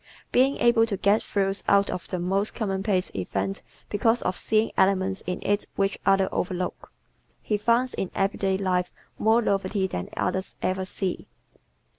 Being able to get thrills out of the most commonplace event because of seeing elements in it which others overlook, he finds in everyday life more novelty than others ever see.